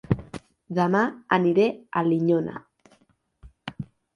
Dema aniré a Linyola